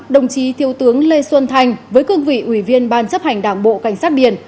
đồng chí thiếu tướng lê xuân thành với cương vị ủy viên ban chấp hành đảng bộ cảnh sát biển